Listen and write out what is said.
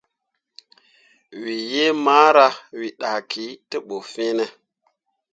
Wǝ yiimara, wǝ dahki te ɓu fine.